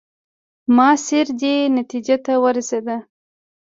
ماسیر دې نتیجې ته ورسېد.